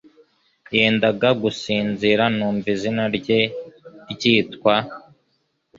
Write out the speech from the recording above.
Yendaga gusinzira, yumva izina rye ryitwa